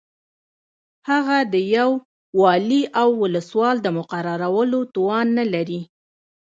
هغه د یو والي او ولسوال د مقررولو توان نه لري.